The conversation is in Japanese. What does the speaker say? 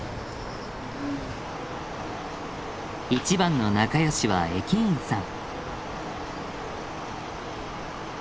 一番の仲よしは駅員さん。